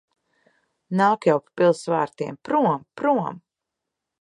Nāk jau pa pils vārtiem. Prom! Prom!